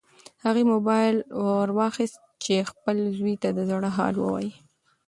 هغې موبایل ورواخیست چې خپل زوی ته د زړه حال ووایي.